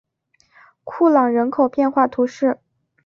库朗人口变化图示